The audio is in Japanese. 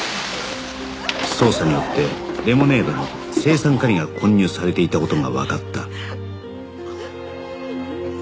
捜査によってレモネードに青酸カリが混入されていた事がわかった